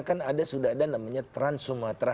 kan ada sudah ada namanya trans sumatera